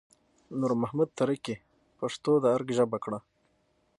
نور محمد تره کي پښتو د ارګ ژبه کړه